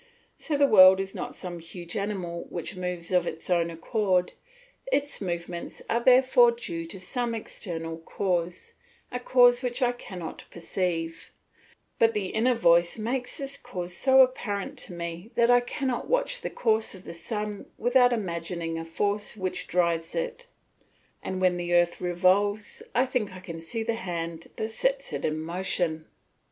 So the world is not some huge animal which moves of its own accord; its movements are therefore due to some external cause, a cause which I cannot perceive, but the inner voice makes this cause so apparent to me that I cannot watch the course of the sun without imagining a force which drives it, and when the earth revolves I think I see the hand that sets it in motion.